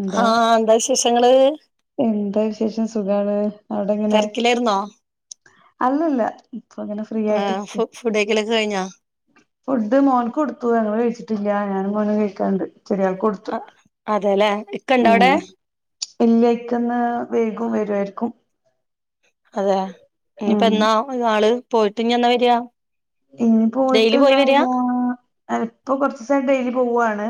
എന്താ ആ എന്താ വിശേഷങ്ങള് എന്താ വിശേഷം സുഖാണ് അവിടെങ്ങനെ തിരക്കിലായിരുന്നോ അല്ലല്ലാ ഇപ്പ ങ്ങനെ ആ ഫുഡ് കഴിക്കൽ ഒക്കെ കഴിഞ്ഞാ ഫുഡ് മോന് കൊടുത്തു ഞങ്ങൾ കഴിച്ചിട്ടില്ല ഞാനും മോനും കഴിക്കാനുണ്ട് ചെരിയാൾക്ക് കൊടു അതെല്ലേ ഇക്ക ഉണ്ടവിടെ ഇല്ല ഇക്ക ഇന്ന് വൈകും വരുവയിരിക്കും അതെ ഇനിയിപ്പോ ഉം എന്നാ ആള് പോയിട്ട് ഇനി എന്നാ വര ഇനി പോയിട്ട് എന്നാ വരാ ഇപ്പൊ കൊറച്ച് ദിവസം ആയിട്ട് ഡെയിലി പോവാണ്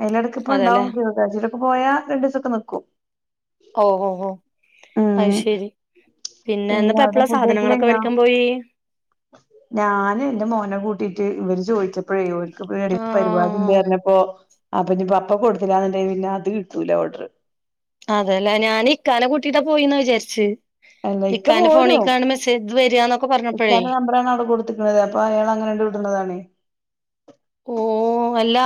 അതിൽ ഇടക്ക് ഇപ്പ അതെല്ലേ ഉണ്ടാവും കൊറച്ചേസലൊക്കെ പോയാ രണ്ടു ദിവസൊക്കെ നിൽക്കും ഓ ഓ ഓ അത് ശരി പിന്നെ ഇന്നിപ്പോ അവിടെ എപ്പളാ ഫുഡ് കഴിക്കൽ സാധനങ്ങളൊക്കെ കഴിഞ്ഞോ മേടിക്കാൻ പോയി ഞാൻ എന്റെ മോനെ കൂട്ടീട്ട് ഇവര് ചോദിച്ച ഇപ്പഴേ ഓര്ക്ക് വെളിപര് ആഹ് പാടിണ്ട്റഞ്ഞപ്പോ അപ്പ ഞ്ഞി അപ്പ കൊട്ത്തില്ലാന്ന്ണ്ടങ്കി പിന്നെ അത് കിട്ടൂല ഓഡറ്. അതെലേ ഞാൻ ഇക്കാനെ കുട്ടീട്ടാപോയിന്നാ വിചാരിച്ച്. അല്ല ഇക്ക ടിക്കാന്റെ പോരും ഫോണിക്കാണ് മെസ്സേജ് വര്വാന്നൊക്കെ പറഞ്ഞപ്പഴേ മ്പറാണ് അവ്ടെ കൊട് ട്ണത് അപ്പൊ അയാൾ അങ്ങനെയണ്ട് വിട്ന്നതാണേ. ഓ അല്ല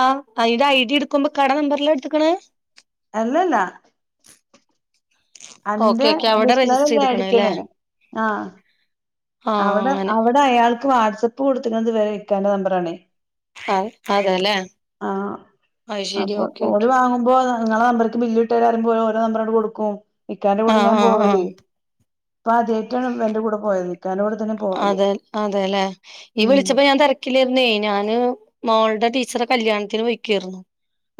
അയ്ന്റെ ഐഡി എട്ക്ക്‌മ്പോ ഇക്കാടെ നമ്പറിലാ എട്ത്ത്ക്ക്‌ണേ? ഏല്ലല്ല. ഓക്കെ അന്റെ ഓക്കെ അവിടെ ഡിഷ്നറി രജിസ്റ്റർ ചെയ്ത്ക്കണ് അല്ലേ ‌മേടിച്ച്ണ് ആഹ് ആഹ് അവ്ടെ അങ്ങനെ അവ്ടെ അയാൾക്ക് വാട്സ്അപ്പ് കൊട്ത്തിക്കണത് വെ ഇക്കന്റെ നമ്പറാണേ. അ അതെല്ലേ ആഹ് അത് ശരി അപ്പൊ ഓക്കെ ഓല് ഓക്കെ വാങ്ങ്മ്പോ ന നിങ്ങളെ നമ്പർക്ക് ബില്ലിട്ട് തരാറയ്മ്പം ഓര് ഓരോ നമ്പറങ്ങട് കൊടുക്കും ഇക്കാന്റെ കൂട്ടില് ആഹ് ഞാൻ ആഹ് ആഹ് പോവലേ. പ്പ ആദ്യായ്ട്ടാണ് ഇവന്റെകൂടെ പോയത്. ഇക്കാന്റെ കൂടെ തന്നെ പോവല് അതെ അതെലെ യ്യ് ഉം വിളിച്ചപ്പോ ഞാൻ തെര ക്കിലാര്ന്നേ ഞാന് മോൾടെ ടീച്ചറെ കല്യാണത്തിന് പോയ്ക്കാരുന്നു.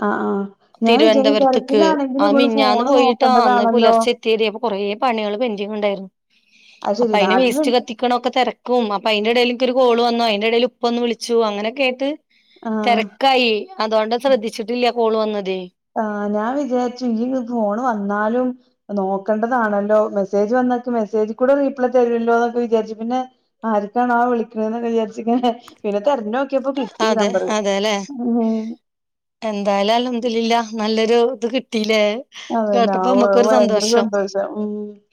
ആഹ് ആഹ് ഞാൻ വിചാരിച്ചു തിരുവനന്തപുരത്ത്ക്ക് ഗൾഫിലാണെങ്കിലും ആഹ് ഇവള് ഫോണ് മിഞ്ഞാന്ന്പോയിട്ടാ അന്ന് നോക്കണ്ടതാണല്ലോ പുലെർച്ചെ ത്തിയതേപ്പ കൊറേ പണികള് പെന്റിങ്ങ്ണ്ടാരുന്നു. അയി ശെരി നാട്ടില് ക്കണൊക്കെതെരക്കും അപ്പ അയ്ന്റെ എടേല്ഇൻക്ക് ഒര് കോള് വന്നു അയ്ന്റെ എടേല് ഉപ്പ ഒന്ന് വിളിച്ചു അങ്ങനെക്കെയ്ട്ട്. ആഹ് തെരക്കയി അതുകൊണ്ട് ശ്രദ്ധിച്ചിട്ടില്ല കോള് വന്നതേ. ആഹ് ഞാൻ വിജാരിച്ചു ഇയ്യ് ഫോണ് വന്നാലും നോക്കണ്ടതാണല്ലോ മെസ്സേജ് വന്നാക്ക് മെസ്സേജിക്കൂടെ റീപ്ലൈ തരൂല്ലോ എന്നൊക്കെ വിജാരിച്ചു പിന്നെ ആരക്കാണാവോ വിളിക്ക്‌ണൊന്നൊക്കെ വിജാരിച്ച്ങ്ങനെ പിന്നെ തെരഞ്ഞോ ക്കിയപ്പോ കിട്ടി അതെ നമ്പറ് അതെല്ലെ എന്തായാലും അല്ലംതുലില്ല നല്ലൊരു ത് കിട്ടീലേ അതലെ ആവു അത് ഭയങ്കര സന്തോഷം ഉം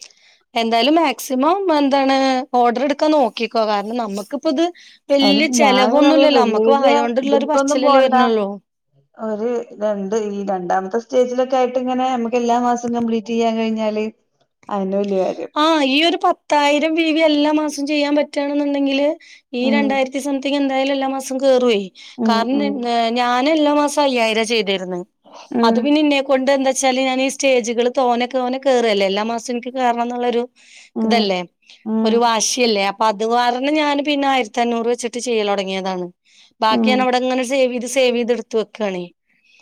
[inaudible] എന്തായാലും മാക്സിമം എന്താണ് ഓർഡറ്ട്ക്കാൻ നോക്കിക്കോ കാരണം നമ്മ്ക്കിപ്പോത് അതിന് വല്യ ഞാന് പറയാ ചെലവൊന്നുല്ലല്ലോ വല്യ അമ്മക്ക് വല്യ വായകോണ്ട്ള്ള ഒര് പറച്ചിലല്ലേ വര്ണോള്ളൂ ഒര് രണ്ട് ഈ രണ്ടാമത്തെ സ്റ്റേജിലൊക്കെ ആയിട്ട്ങ്ങനെമ്മ എല്ലാ മാസം കംപ്ലീറ്റ് ചെയ്യാൻ കഴിഞ്ഞാല് അയന്നെ വല്യ കാര്യം ആഹ് യ്യ് ഒര് പത്തായിരം വി വി എല്ലാമാസം ചെയ്യാൻ പറ്റണെന്ന്ണ്ടങ്കില് ഈ ഉം രണ്ടായിരത്തി സംതിങ്ങ് എന്തായാലും എല്ലാ മാസം കേറുവെ ഉം കാരണം ണ് ഉം ണ് ഞാ ന് എല്ലാ മാസം അയ്യായിരാ ചെയ്തിര്ന്നെ അത് ഉം പിന്നെ ഇന്നെകൊണ്ട് എന്താെച്ചാല് ഞാന് സ്റ്റേജ്കള് തോനെതൊനെ കേറ്ല്ലേ എല്ലാ മാസം ഇൻക്ക്‌ കേറണംന്ന് ഉം ള്ളൊരുക്ക്‌തല്ലേ? ഉം ഒര് വാശിയല്ലേ അപ്പ അത് കാരണം ഞാന് പിന്നെ ആയിരത്തിഅഞ്ഞൂറ് വെച്ചിട്ട് ചെയ്യല് തൊടങ്ങിയതാണ് ബാക്കി ഉം ഞാന് അവ്ടെങ്ങനെ സേവ് ചെയ്ത് സേവ് ചെയ്ത എടുത്തുവെക്കാണേ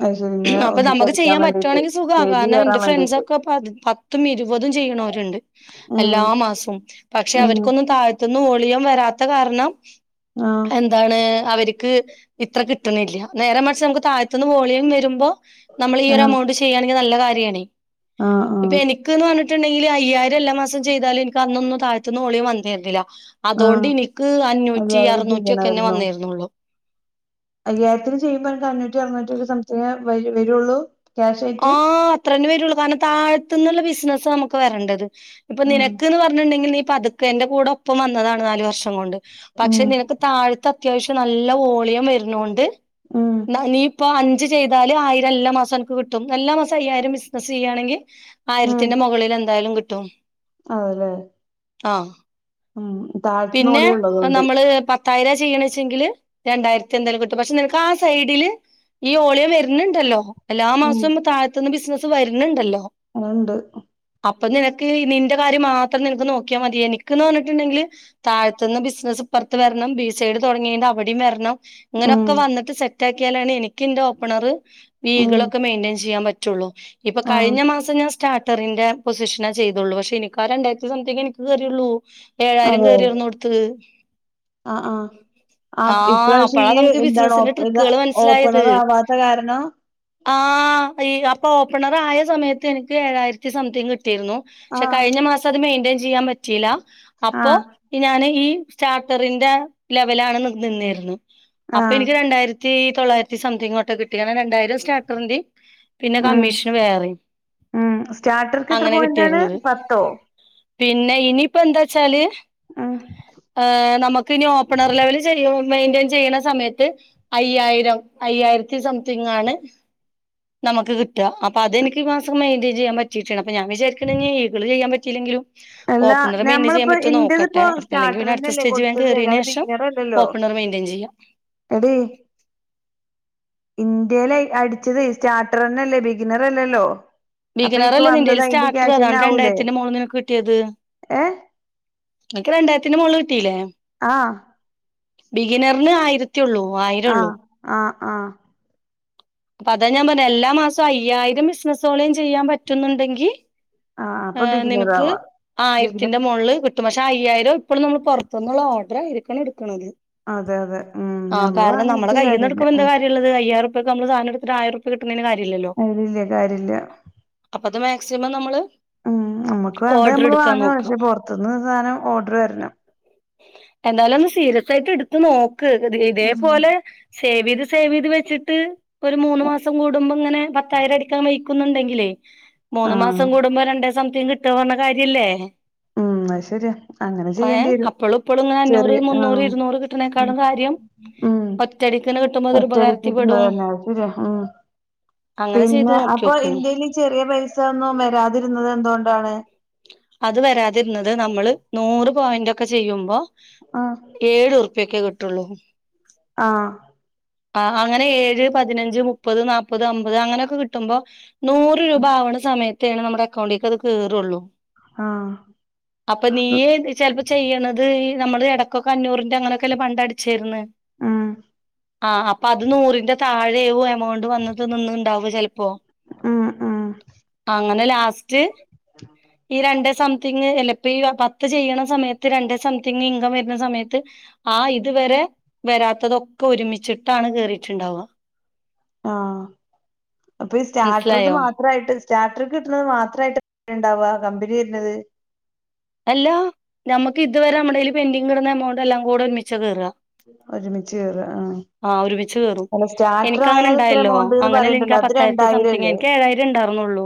അത് ശരി ഇങ്ങനെ അപ്പൊ നമക്ക് ഒന്നിച്ചടിക്കാൻ ചെയ്യാൻ വേണ്ടീട്ട് പറ്റുവാണെങ്കി സ്റ്റേജ് സുഖാകാരണം ന്റെ കേറാൻ വേണ്ടീട്ട് ഫ്രണ്ട്സൊക്കെ പദ് പത്തും ഇരുപതും ചെയ്യ്ണോര്ണ്ട് ഉം എല്ലാ മാസവും പക്ഷേ ഉം അവർക്കൊന്നും താഴ് ത്ത്ന്ന് ഓളിയം വരാത്ത കാരണം ആഹ് എന്താണ് അവര്ക്ക് ഇത്ര കിട്ട്ണില്ല നേരെമറിച്ച് നമ്ക്ക് താഴത്തുന്ന് വോളിയം വര്മ്പോ നമ്മള് ഈ ഒര് ആഹ് എമൗണ്ട് ചെയ്യാണെങ്കി നല്ല കാര്യാണേ ആഹ് ഇപ്പൊ ആഹ് എനിക്ക്ന്ന് പറഞ്ട്ട്ണ്ടെ യ്യിൽ അയ്യായിം എല്ലാമാസം ചെയ്താലും ഇൻക്ക് അന്നൊന്നുംതാഴത്ത്ന്ന് ഓളിയം വന്നിര്ന്നില്ല അതോണ്ട് ആഹ് ഇൻക്ക് അഞ്ഞൂറ്റി അയ്യായിരം അറുന്നൂറ്റിക്കെ അന്നെ ചെയ്യണായിരുന്നോ വന്നിര്ന്നൊള്ളു അയ്യായിരത്തിന് ചെയ്യുമ്പോ അനക്ക് അഞ്ഞൂറ്റി അറുറ്റിക്കെ സംതിങ്ങേ വര് വരുള്ളൂ ക്യാഷായിട്ട് ആഹ് അത്രേന്നെ വേരുള്ളൂ കാരണം താഴത്ത്ന്ന്ള്ള ബിസിസ്സാ നമുക്ക് വരണ്ടത് ഇപ്പൊ ഉം നിനക്ക്ന്ന് പറഞ്ന്ന്ണ്ടെങ്കി നീ പത്ക്കെ എന്റെ കൂടെ ഒപ്പം വന്നതാണ് നാല് വർഷം കൊണ്ട് ഉം പക്ഷേ നിനക്ക് താഴത്ത് അത്യാവശ്യം നല്ല ഓളിയം വര്ണൊണ്ട് ഉം ന്ന നീ ഇപ്പ അഞ്ച് ചെയ്താല് ആയിരം എല്ലാമാസം അനക്ക് ക് ട്ടും എല്ലാ മാസം അയ്യായിരം ബിസിനസ്സ് ചെയ്യാണെങ്കി ഉം ആയിരത്തിന്റെ മൊകളില് എന്തായാലും കിട്ടും അതല്ലേ ആഹ് ഉം താഴത്ത്ന്ന് പിന്നെ ഓളിയുള്ളതുകൊണ്ട് നമ്മള് തായരാ ചെയ്യണ വെച്ചെങ്കില് രണ്ടായിരത്തി എന്തെങ്കിലും കിട്ടും പക്ഷെ നിനക്ക് ആ സൈഡില് ഈ ഓളിയ വരുന്നുണ്ടല്ലോ എല്ലാ ഉം മാസവും താഴത്തുന്ന് ബിസിനസ്സ് വരുന്നുണ്ടല്ലോ അത് ഉണ്ട് അപ്പൊ നിനക്ക് നിന്റെ കാര്യം മാത്രം നിനക്ക് നോക്കിയാ മതി എനക്ക്ന്ന് പറഞ്ഞിട്ടുണ്ടെങ്കില് താഴ്ത്ത് നിന്ന് ബിസിനസ്സ്പ്പറത്ത് വരണം ബി സൈഡ് തുടങ്ങിയ അവിടെയും വരണം ഉം ഇങ്ങനെയൊക്കെ വന്നിട്ട് സെറ്റ് ആക്കിയാലാണ് എനിക്ക് എന്റെ ഓപ്പണർ ഉം വീകളൊക്കെ മെയിൻടൈയിൻ ൻ പറ്റുള്ളൂ ഇപ്പൊ ആഹ് കഴിഞ്ഞ മാസം ഞാൻ സ്റ്റാർട്ടറിന്റെ പൊസിഷനാ ചെയ്തുള്ളൂ പക്ഷെ എനിക്കാ രണ്ടായിരത്തി സംത്തിങ് എനിക്ക് കയറിയുള്ളൂ ഏഴായിരം അതെ കയറിയറിന്ന് കൊടുത്തത് ആഹ് ആഹ് ആഹ് ഇപ്രാവശ്യം അപ്പഴാ ഈ നമുക്ക് എന്താണ് ബിസിനസിന്റെ ഇാ ട്രിക്കുകള് ഓപ്പണർ ആവാത്ത കാരണം ആ ഈ അപ്പൊ ഓപ്പണർ ആയ സമയത്ത് എനിക്ക് ഏഴായിരത്തി സംതിങ് കിട്ടും പക്ഷെ ആഹ് കഴിഞ്ഞ മാസം അത് മെയിന്റയിൻ ചെയ്യാൻ പറ്റിയില്ല അപ്പൊ ആഹ് ഞൻ ഈ സ്റ്റാർട്ടറിന്റെ ലെവല ആണ് നിന്നായിരുന്നു അപ്പൊ ആഹ് എനിക്ക് രണ്ടായിരത്തി ത്തി തൊള്ളായിരത്തി സംതിങ്ങോട്ടക്കെ കിട്ടിക്കണം രണ്ടായിരം സ്റ്റാർറിൻ്റേം പിന്നെ ഉം കമ്മീഷന് വേറെയും ഉം സ്റ്റാർട്ടർക്ക് എത്ര അങ്ങനെ പോയിന്റാണ് കിട്ടിയിരുന്നത് പത്തോ പിന്നെ ഇനിയിപ്പ എന്താ വച്ചാല് ആഹ് നമുക്ക്നി ഓപ്പണർ ലെവൽ ചെയ്യുന്ന മെയിന്റെയിൻ ചെയ്യണ സമയത്ത് അയ്യായിരം അയ്യായിരത്തി സംതിങ് ആണ് നമുക്ക് കിട്ട അപ്പൊ അതെനിക്ക് ഈ മാസം മെയിന്റയിൻ ചെയ്യാൻ പറ്റും പറ്റിട്ടുണ്ട് അപ്പ ഞൻ വിചാരിക്കണം എങ്കിലും ഈള് ചെയ്യാൻ പറ്റയിെങ്കിലും എല്ലാ ഓപ്പണർ മെയിന്റെയിൻ ചെയ്യാൻ ഞമ്മളിപ്പോ പറ്റോ ഇന്റതിപ്പോ നോക്കട്ടെ അല്ലെങ്കിൽ പിന്നെ അടുത്ത സ്റ്റാർട്ടറന്നല്ലേ സ്റ്റേജ് വേഗം കൊടുത്തത് കയറിയതിനു അല്ലാതെ ശേഷം ഓപ്പണർ മെയിൻ്റയിൻ ചെയ്യാം എടി ഇൻഡിലേ അടിച്ചത് സ്റ്റാർട്ടർ തന്നല്ലേ ബിഗിനറ് അല്ലല്ലോ ബീഗനറല്ല നിന്റെൽ സ്റ്റാർട്ടർ അതാണ് ആവൂലേ രണ്ടായിരത്തിന്റെ മുകളിൽ നിനക്ക് കിട്ടിയത് ഏഹ് നിനക്ക് രണ്ടായിരത്തിന്റെ മുകളിൽ കിട്ടീല്ലേ ആഹ് ബിഗിനറിന് ആയിരത്തിയുള്ളൂ ആയിരള്ളൂ ആഹ് ആഹ് ആഹ് അപ്പൊ അതാ ഞാൻ പറഞ്ഞ എല്ലാ മാസവും അയ്യായിരം ബിസിനസോളിയം ചെയ്യാൻ പറ്റുന്നുണ്ടെങ്കിൽ ആഹ് അപ്പൊ നിനക്ക് ബിഗിനറാവാ ബിഗിനർ ആയിരത്തിന്റെ മോളില് കിട്ടും പക്ഷെ അയ്യായിരം ഇപ്പഴും നമ്മൾ പുറത്തുന്നുള്ള ഓർഡർ ആയിരിക്കണം എടുക്കണുന്നത് അതെ അതെ ഉം ഞമ്മള് വാങ്ങിട്ട് കാര്യല്ല ഉള്ളത് അയ്യായിരം റുപ്യക്ക് നമ്മള് സാധനം എടുത്തിട്ട് ആയ്യായിരം റുപ്യ കിട്ടുന്നതിന് കാര്യല്ലല്ലോ അയ്ലില്ല കാര്യല്ല അപ്പൊ അത് മാക്സിമം നമ്മള് ഉം നമ്മുക്ക് വേണ്ടത് ഓർഡർ നമ്മള് എടുക്കാൻ വാങ്ങ നോക്ക പക്ഷേ പുറത്തു നിന്ന് സാധനം ഓർഡർ വരണം എന്തായാലും ഒന്ന് സീരിയസ് ആയിട്ട് എടുത്ത് നോക്ക് ഉം ഇതേപോലെ സേവ് ചെയ്ത് സേവ് ചെയ്ത് വെച്ചിട്ട് ഒരു മൂന്ന് മാസം കൂടുമ്പോ ഇങ്ങനെ പത്തായിരം എടുക്കാൻ ന്നുണ്ടെങ്കിലേ മൂന്ന് ആഹ് മാസം കൂടുമ്പോ രണ്ടേ സംതിങ് കിട്ടും എന്ന് പറഞ്ഞ കാര്യല്ലേ ഉം അത് ശരിയാ അങ്ങനെ ചെയ്യേണ്ടി ഏഹ് വരും അപ്പളും ഇപ്പളും ഇങ്ങനെ അഞ്ഞൂറ് ചെറിയ മുന്നൂറ് ആഹ് ഇരുന്നൂറ് കിട്ടണേക്കാളും കാര്യം ഉം ഒറ്റടിക്കന് കിട്ടുമ്പോ അതൊരു ഒറ്റടിക്ക് കിട്ടുന്നത്‌ ഉപകാരത്തിപ്പെടും തന്നെയ ശരിയാ ഉം അങ്ങനെ ചെയ്ത് പിന്നെ അപ്പൊ നോക്കിയോക്ക് എൻ്റെൽ ചെറിയ പൈസ ഒന്നും വരാതിരുന്നത് എന്തുകൊണ്ടാണ് അത് വരാതിരുന്നത് നമ്മള് നൂറ് പോയിന്റ് ഒക്കെ ചെയ്യുമ്പോ ആഹ് ഏഴു ഉറുപ്പ്യൊക്കെ കിട്ടുള്ളൂ ആഹ് ആഹ് അങ്ങനെ ഏഴ് പതിനഞ്ച് മുപ്പത് നാല്പ്പത് അമ്പത് അങ്ങനെയൊക്കെ കിട്ടുമ്പോ നൂറ് രൂപ ആവണ സമയത്താണ് നമ്മുടെ അക്കൗണ്ടേക്ക് അത് കേറുള്ളൂ ആഹ് അപ്പം നീയ് ചിലപ്പോ ചെയ്യണത് ഈ നമ്മള് ഇടക്കൊക്കെ അഞ്ഞൂറിന്റെ അങ്ങനെയൊക്കെ അല്ലേ പണ്ട് അടിച്ചിരുന്ന് ഉം ആഹ് അപ്പൊ അത് നൂറിന്റെ താഴേവും എമൗണ്ട് വന്നത് നിന്ന ഉണ്ടാവൂ ചിലപ്പോ ഉം ഉം അങ്ങനെ ലാസ് [unintelligible] ഈ രണ്ടേ സംതിങ്ങ് ചിലപ്പോ ഈ പത്ത് ചെയ്യണ സമയത്ത് രണ്ടേ സംതിങ്ങ് ഇൻകം വരുന്ന സമയത്ത് ആ ഇതുവരെ വരാത്തതൊക്കെ ഒരുമിച്ചിട്ടാണ് കേറിയിട്ടുണ്ടാവുക ആഹ അപ്പൊ ഈ സ്റ്റാർട്ടറത് മനസ്സിലായോ മാത്രമായിട്ട് സ്റ്റാർട്ടർക്ക് കിട്ടുന്നത് മാത്രമായിട്ട് എത്ര ഉണ്ടാവ കമ്പനി തരുന്നത് അല്ല നമുക്ക് ഇതുവരെ നമ്മടേൽ പെൻഡിങ് കിടുന്ന എമൗണ്ട് എല്ലാം കൂടെ ഒരുമിച്ച കേറുക ഒരുമിച്ച് കേറും ആ ആഹ് ഒരുമിച്ച് കയറും എനിക്കങ്ങനെ ഇത്ര ഉണ്ടായല്ലോ എമൗണ്ട് എന്ന് അങ്ങനല്ലേ എനിക്കാ പറയണ്ടല്ലോ അത് പത്തായിരത്തി രണ്ടായിരം സംതിങ് അല്ലേ ഏഴായിരേ ഉണ്ടായിരുന്നുള്ളൂ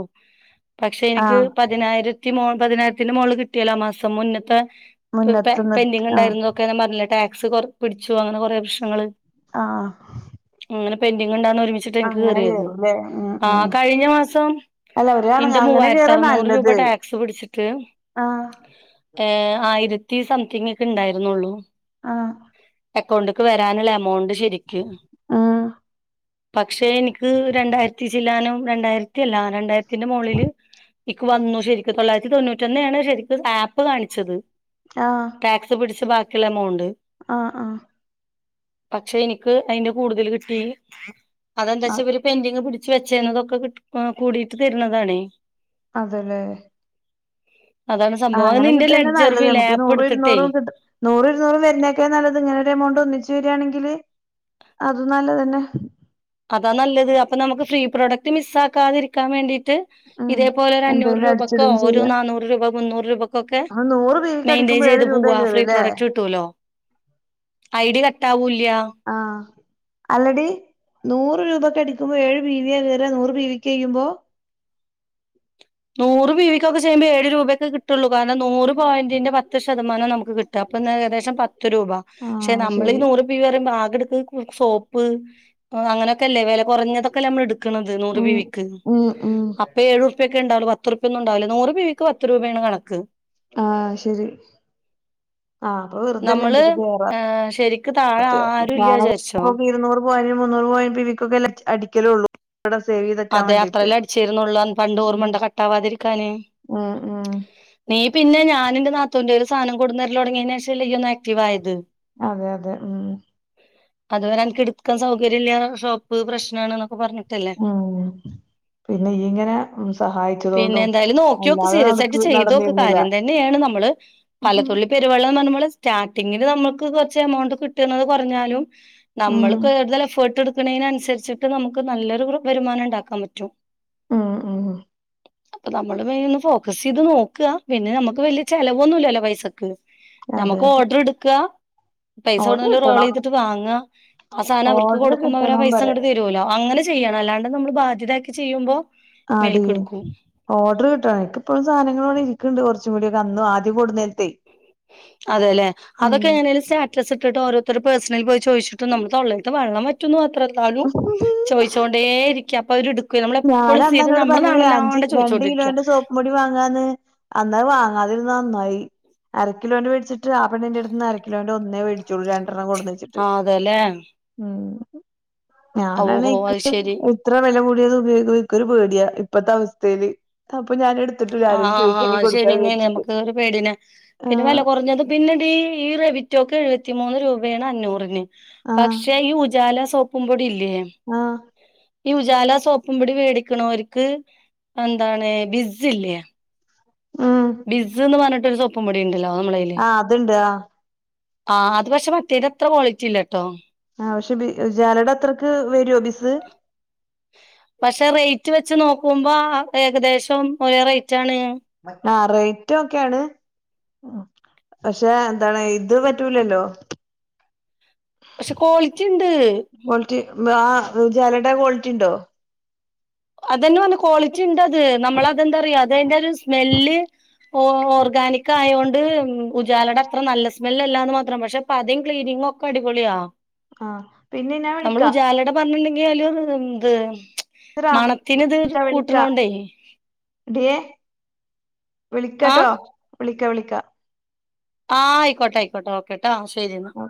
പക്ഷെ എനിക്ക് ആഹ് പതിനായിരത്തി പതിനായിരത്തിന്റെ മുകളി കിട്ടിയല്ലോ ആ മാസം മുന്നത്തെ മുന്നത്ത് നിർത്ത് പെന്ഡിങ് ആഹ് ഉണ്ടായിരുന്നു ഒക്കെന്നാ പറഞ്ഞില്ലേ ടാക്സ് കൊറ പിടിച്ചു അങ്ങനെ കുറേ പ്രശ്നങ്ങള് ആഹ അങ്ങനെ പെൻഡിങ് കൊണ്ടാണ് ഒരുമിച്ചിട്ട് എനിക്ക് അങ്ങനെ കേറിയത് കേറുംല്ലേ ഉം ആ ഉം കഴിഞ്ഞ മാസം അല്ല ഒരാണ് നിന്റെ അങ്ങനെ മൂവായിരത്തി അറുനൂറ് രൂപ ടാക്സ് പിടിച്ചിട്ട് ആഹ ഏഹ ആയിരത്തി സംതിങ് ഒക്കെ ഉണ്ടായിരുന്നുള്ളൂ ആഹ അക്കൗണ്ടേക്ക് വരാനുള്ള എമൗണ്ട് ശരിക്കും ആഹ പക്ഷെ എനിക്ക് രണ്ടായിരത്തി ചെല്ലാനും രണ്ടായിരത്തി അല്ല രണ്ടായിരത്തിന്റെ മുകളില് എനിക്ക് വന്നു ശരിക്കും തൊള്ളായിരത്തി തൊണ്ണൂറ്റൊന്ന ആണ് ശരിക്കും ആപ്പ് കാണിച്ചത് ആഹ് ടാക്സ് പിടിച്ച് ബാക്കിയുള്ള എമൗണ്ട് ആഹ് ആഹ് പക്ഷെ എനിക്ക് അയ്ന്റെ കൂടുതൽ കിട്ടി അ അതെന്താച്ച ഇബൽ പെന്റിങ് പി വെച്ചുന്നതൊക്കെ കൂടിയിട്ട് തരുന്നതാണേ അതല്ലേ അതാണ് ആഹ് സംഭവം അത് അങ്ങനെ നിന്റെ കിട്ട തന്നെ നല്ലത് ലെഡ്ജർവില്ലേ നമുക്ക് ആപ്പ് നൂറോ എടുത്തിട്ടേ ഇരുന്നൂറും കിട്ടും നൂറ ഇരുന്നൂറും വരുന്നതൊക്കെയ നല്ലത് ഇങ്ങനെ ഒരു എമൗണ്ട് ഒന്നിച്ച് വരിയാണെങ്കിൽ അതും നല്ലതന്നെ അതാ നല്ലത് അപ്പൊ നമുക്ക് ഫ്രീ പ്രോഡക്റ്റ് മിസ്സാക്കാതിരിക്കാൻ വേണ്ടിയിട്ട് ഉം ഇതേപോലെ ഒരുരഞ്ഞൂറ് എന്തേലും രൂപക്കോ അടിച്ചിടും ഒരുര നന്നൂറ് രൂപ മുന്നൂറ് രൂപക്കോ ഒക്കെ നൂർ പേർ മെയിന്റെയിൻ ചെയ്ത് പോവ ഫ്രീ പ്രോഡക്റ്റ് കിട്ടുവല്ലോ ഐഡി കട്ടാവുല്ല ആഹ് അല്ലടി നൂറ് രൂപക്കെ അടിക്കുമ്പോ ഏഴ് ബീ വിയ കയറ നൂറ് ബീ വിക്ക് കഴ്യുമ്പോ നൂറ് പി വിക്ക്ൊക്കെ ചെയ്യുമ്പോ ഏഴ രൂപൊക്ക കട്ടുള്ളൂ കാരണം നൂറ് പോയിന്റിന്റെ പത്ത് ശതമാനം നമുക്ക് കിട്ടും അപ്പൊ കദേശം പത്ത് രൂപ ആ പക്ഷെ നമ്മൾ ഈ ശരി നൂറ് ഈ ബാഗെടുക്കും സോപ്പ്് അങ്ങനെൊക്കെല്ലേ വ കുറഞ്ഞതൊക്കെ നമ്മൾ എടുക്കണുന്നത് നൂർ പി ഉം വി ക്ക് ഉം ഉം അപ്പൊ എഴപ ണ്ടാവൂ പത്തൂർപ്യോന്നണ്ടാവില്ല നൂറു പി വി ക്ക് പത്ത് രൂപയാണ് കണക്ക് ആഹ് ശരി ആ അപ്പൊ വെറുതല്ല നമ്മള് എന്റെത് ഏർ ശരിക്ക് താഴെ ആരുല്ല വിചാരിച്ചോ പോവും മുന്നൂറ് പോവ പിക്കെടിക്കലള്ളൂ ഇട സേവത അതെ അത്രേല്ലേ അടിച്ചിരുന്നുള്ളൂ പണ്ടോർമണ്ട കട്ടാവാതിരിക്കാന്േ ഉം ഉം നീ പിന്നെ ഞാൻന്റെനാത്തുന്റെന്ന് ഒരു സാധനം കൊടുന്നരില തുടങ്ങിയ ശേഷംല്ലയ്യ ഒന്ന് ആക്റ്റീവായത് അതെ അതെ ഉം അതുവരെ എനിക്ക് എടുക്കാൻ സൗകര്യം ഇല്ല ഷോപ്പ് പ്രശ്നണ എന്നൊക്കെ പറഞ്ഞിട്ടല്ലേ ഉം പിന്നെഇയ്യ് ഇങ്ങനെ സഹായിക്ക പിന്നെ എന്തായാലും നോക്കിയോൊക്കെ സീരിയസ് ആയിട്ട് ചെയ്തോക്കെ നടന്നിരുന്നില്ല കാര്യം തന്നെയാണ് നമ്മള് ഉം പലതുള്ളി പെരുവള്ള എന്ന് പറഞ്ഞ്പോൾ സ്റ്റാർട്ടിങ്ങിൽ നമുക്ക് കുറച്ച് എമൗണ്ട് കിട്ടുന്നത് കുറഞ്ഞാലും നമ്മൾ കൂടുതൽ എഫേർട്ട് എടുക്കുന്നതിനനുസരിച്ചിട്ട് നമുക്ക് നല്ലൊരു വരുമാനം ഉണ്ടാക്കാൻ പറ്റും ഉം ഉം അപ്പൊ നമ്മള് ഒന്ന് ഫോക്കസ് ചെയ്ത് നോക്ക പിന്നെ നമ്മുക്ക് വലിയ ചെലവൊന്നുല്ലല്ലോ പൈസക്ക് അതെ നമ്മുക്ക് അതെ ഓർഡർ എടുക്ക പൈസ ഓർഡർ ഓടുല്ല റോൾ കിട്ടണം ചെയ്തിട്ട് വാങ്ങ ആ സാധനം അവർക്ക് ഓർഡർ കൊടുക്കുമ്പോ അവര് കിട്ടണം പൈസ പറയാ അങ്ട്ട് തരുല്ലോ അങ്ങനെ ചെയ്യണം അല്ലാണ്ട് നമ്മൾ ബാധ്യതാക്കി ചെയ്യുമ്പോ ആടി മേൽക്കെടുക്കും ഓർഡർ കിട്ടാണ് എക്കെപ്പോഴും സാധനങ്ങളോവിടെ ഇരിക്കണ്ട് കുറച്ചും കൂടിയ കന്നു ആദ്യം കൂടുന്നേരത്തെ അതെല്ലേ അതൊെക്കെങ്ങനെലും സ്റ്റാറ്റസ് ഇട്ട്ഓരോരുത്തരു പേഴസണ പോയ് ചോയ്ച്ചിട്ട നമ്മ തൊള്ളൽ ത്തെ വള്ളംറ്റ വറ്റു മാത്രം ന്നാലും ചോയ്ച്ചോണ്ടേ ഇരിക്ക അപ്പൊ അവര്ടു ഞാൻ നമ്മളെപ്പോഴും അന്ന് സീരം നമ്മുടെ നാണല്ലാണ്ട് ചോയ്ച്ചോണ്ടരിക്ക മുടി വാങ്ങാന്ന് അന്നാ വാങ്ങാതിരുന്ന നന്നായി അര കിലോൻന്റെേ വേടിച്ചിട്ട് ആപ്പണ്ണിന്റെ അടുത്ന്ന് അര കിലോന്റെ ഒന്നേടിച്ചോള്ളൂ രണ്ടെണ്ണം കൊടുന്ന് വെച്ചിട്ട് ആഹ് അതല്ലേ ഉം ഞാനാണ് ഓഹോ അത് ശെരി [unintelligible] ഇത്ര വില കൂടിയത് ഉപയോഗ ഒരു പേടിയാ ഇപ്പത്തെ അവസ്ഥയില് അപ്പൊ ഞൻ എടു ആഹ് ശരിെന്നേ നമ്മക്ക് ഒരു പേടിനെ പിന്നെ വല ആഹ് കുറഞ്ഞത് പിന്നെടീ ഈ റെബിറ്റോക്ക് എഴുപത്തിമൂന്ന് രൂപയാണ് അഞ്ഞൂറിന് ആഹ് പക്ഷെ ഈ ഉജാല സോപ്പുമ്പോടി ഇല്ലേ ആഹ് ഈ ഉജാല സോപ്പുംപടി മേടിക്കണവർക്ക് എന്താണ് ബിസ് ഇല്ലേ ഉം ബിസ് എന്ന് പറഞ്ഞട്ട ഒരുൊപ്പ മുൊടി ഉണ്ടല്ലോ നമ്മളെ അതുണ്ട് ആ ആ അത് പക്ഷെ മറ്റേ ൻ്റെ അത്ര ക്വാളിറ്റി ഇല്ലട്ടോ ആ പക്ഷെ ബി ഉജാലടെ അത്രയ്ക്ക് വരുമോ ബിസ് പക്ഷെ റേറ്റ് വെച്ച് നോക്കുമ്പോ ഏകദേശം ഒരേ റേറ്റ് ആണ് ആഹ റേറ്റ് ഒക്കെയാണ് പക്ഷെ എന്താണ് ഇത് പറ്റൂലല്ലോ പക്ഷെ കോളിറ്റിണ്ട് ക്വാളിറ്റി ആ ഉജാലട ക്വാളിറ്റി ഉണ്ടോ അതന്നെ വഞ്ഞ ക്വാളിറ്റി ഉണ്ടത് നമ്മളതന്താറിയ അത് അതിന്റെറ ഒരു സ്മെല്ല് ഓ ഓർഗാനിക് ആയൊണ്ട് ഉജാലയുടെ അത്ര നല്ല മല്ലാന്ന് മാത്രം പക്ഷെ പദിം ക്ലീനിംങ്ങും ഒക്കെ അടിപൊളിയ ആ പിന്നെ ഞാൻ നമ്മൾ വിളിക്കാം ഉജാലയുടെ പറഞ്ഞില്ലെങ്കിൽ അയ്ൽ ത് എന്ത് ഇറാ മണത്തിന് ഇത് കൂട്ടണോണ്ടേ ഏ ആഹ് വിളിക്കട്ടോ വിളിക്ക വിളിക്ക ആഹ് ആയിക്കോട്ടെ അയിക്കോട്ടെ ഓക്കട്ടാ ശരി എന്നാ ആ